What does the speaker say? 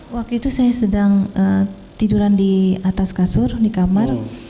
waktu itu saya sedang tiduran di atas kasur di kamar